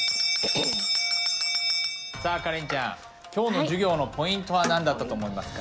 さあカレンちゃん今日の授業のポイントは何だったと思いますか？